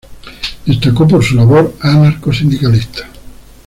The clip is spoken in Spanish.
Destacó por su labor anarcosindicalista.